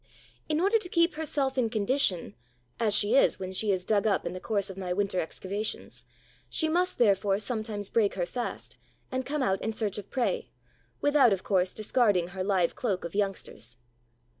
In order to keep herself in condition, as she is when she is dug up in the course of my winter excavations, she must therefore sometimes break her fast and come out in search of prey, without, of course, discarding her live cloak of youngsters.